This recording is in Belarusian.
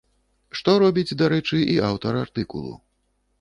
Што робіць, дарэчы, і аўтар артыкулу.